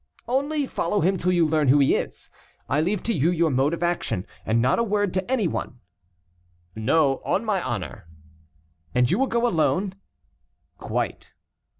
"Only follow him till you learn who he is. I leave to you your mode of action. And not a word to any one." "No, on my honor." "And you will go alone?" "Quite."